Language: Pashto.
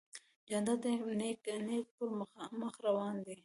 جانداد د نیک نیت پر مخ روان دی.